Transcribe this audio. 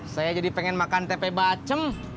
saya jadi pengen makan tempe bacem